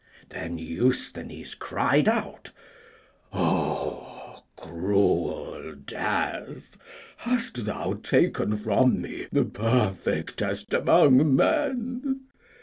Then Eusthenes cried out, Ah, cruel death! hast thou taken from me the perfectest amongst men?